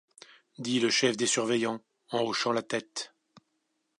dit le chef des surveillants en hochant la tête.